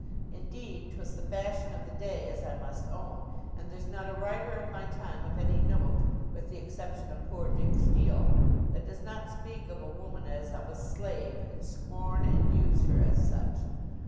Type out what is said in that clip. Indeed, 'twas the fashion of the day, as I must own; and there's not a writer of my time of any note, with the exception of poor Dick Steele, that does not speak of a woman as of a slave, and scorn and use her as such.